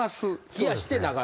冷やして流す？